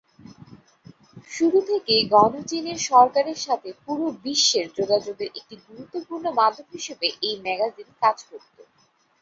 শুরু থেকেই গণচীনের সরকারের সাথে পুরো বিশ্বের যোগাযোগের একটি গুরুত্বপূর্ণ মাধ্যম হিসেবে এই ম্যাগাজিন কাজ করত।